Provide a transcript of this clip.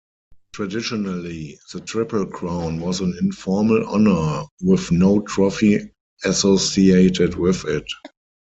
Traditionally the Triple Crown was an informal honour with no trophy associated with it.